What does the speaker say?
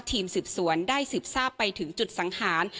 ทีมสืบสวนได้สืบทราบไปถึงจุดสังหาร